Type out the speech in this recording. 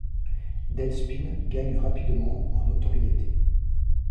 Deadspin gagne rapidement en notoriété.